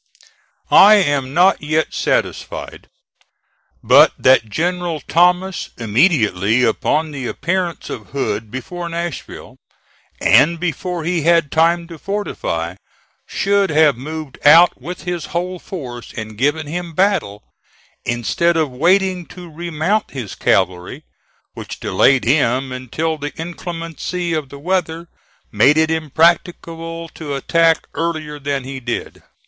I am not yet satisfied but that General Thomas, immediately upon the appearance of Hood before Nashville, and before he had time to fortify, should have moved out with his whole force and given him battle, instead of waiting to remount his cavalry, which delayed him until the inclemency of the weather made it impracticable to attack earlier than he did.